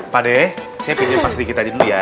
pak d saya pinjamin pak siti tadi dulu ya